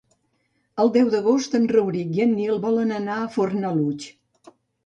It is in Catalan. El deu d'agost en Rauric i en Nil volen anar a Fornalutx.